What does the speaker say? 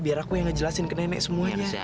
biar aku yang ngejelasin ke nenek semuanya